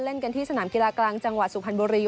เล่นกันที่สนามกีฬากลางจังหวัดสุพรรณบุรี